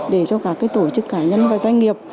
để cho các tổ chức cá nhân và doanh nghiệp